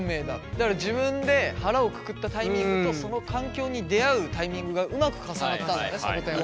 だから自分で腹をくくったタイミングとその環境に出会うタイミングがうまく重なったんだねさぼてんは。